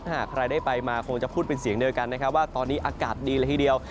หากใครได้ไปมาคงจะพูดเป็นเสียงเดียวกันนะครับว่าตอนนี้อากาศดีเลยทีเดียว